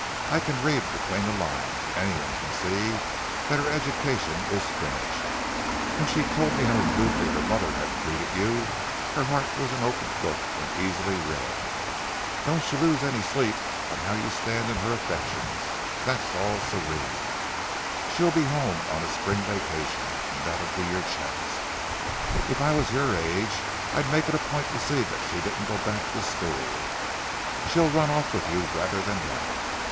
I can read between the lines, and any one can see that her education is finished. When she told me how rudely her mother had treated you, her heart was an open book and easily read. Don't you lose any sleep on how you stand in her affections—that's all serene. She'll he home on a spring vacation, and that'll be your chance. If I was your age, I'd make it a point to see that she didn't go back to school. She'll run off with you rather than that.